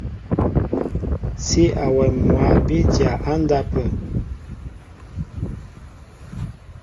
Sí awɛm mwǎ bí dya á ndápə̂.